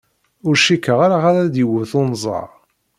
Ur cikkeɣ ara ad d-iwet unẓar.